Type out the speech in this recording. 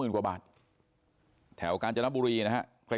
๒๐๐๐๐กว่าบาทแถวการจนบุรีนะฮะ